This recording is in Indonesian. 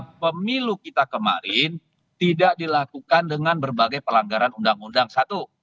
karena pemilu kita kemarin tidak dilakukan dengan berbagai pelanggaran undang undang satu